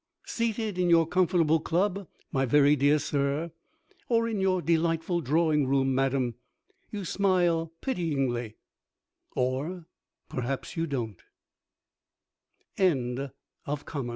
Seated in your comfortable club, my very dear sir, or in your delightful drawing room, madam, you smile pityingly.... Or perhaps you don't. GEORGE'S V.C.